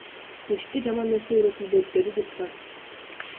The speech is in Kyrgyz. Мечитте жаман нерсе үйрөтүлбөйт, — деди депутат.